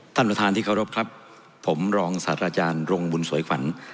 ท่านประธานที่เคารพครับผมรองศาสตราจารย์รงบุญสวยขวัญ